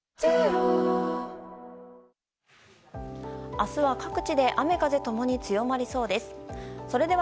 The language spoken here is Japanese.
明日は各地で雨風共に強まりそうです。